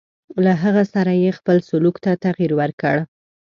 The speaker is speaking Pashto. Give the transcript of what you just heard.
له هغه سره یې خپل سلوک ته تغیر ورکړ.